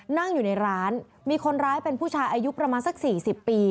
นั่งอยู่ในร้านมีคนร้ายเป็นผู้ชายอายุประมาณสัก๔๐ปี